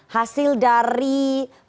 hasil dari peningkatan status